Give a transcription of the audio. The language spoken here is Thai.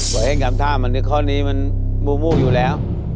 ปล่อยให้คำถามอันนี้ข้อนี้มันมูลอยู่แล้ว